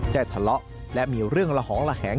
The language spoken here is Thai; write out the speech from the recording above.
ได้ทะเลาะและมีเรื่องละหองระแหง